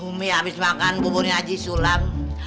bumi habis makan buburnya haji sulam